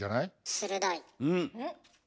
鋭い！